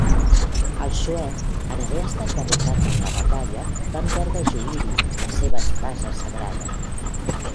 Els Sue, en haver estat derrotats en la batalla, van perdre Yugiri, la seva espasa sagrada.